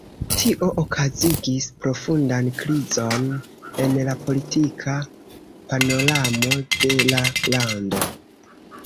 Tio okazigis profundan krizon en la politika panoramo de la lando.